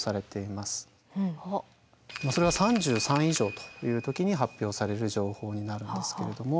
それが３３以上という時に発表される情報になるんですけれども。